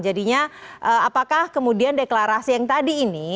jadinya apakah kemudian deklarasi yang tadi ini